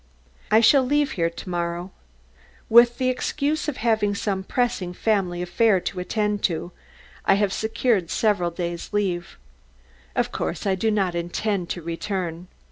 I shall leave here to morrow. With the excuse of having some pressing family affair to attend to, I have secured several days' leave. Of course I do not intend to return.